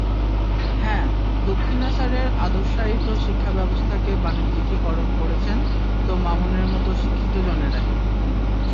হ্যাঁ, দক্ষিণা স্যারের আদর্শায়িত শিক্ষাব্যবস্থাকে বাণিজ্যিকীকরণ করেছেন তো মামুনের মতো শিক্ষিতজনেরাই।